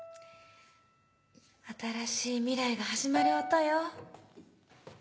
新しい未来が始まる音よ。